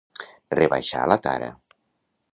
Rebaixar la tara.